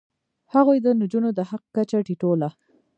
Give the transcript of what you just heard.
هغوی د نجونو د حق کچه ټیټوله.